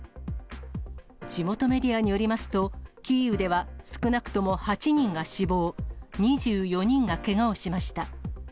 地元メディアによりますと、キーウでは少なくとも８人が死亡、２４人がけがをしました。